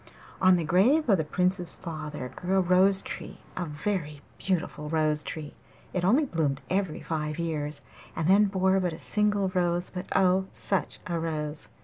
On the grave of the Prince's father grew a rose tree, a very beautiful rose tree. It only bloomed every five years, and then bore but a single rose, but oh, such a rose!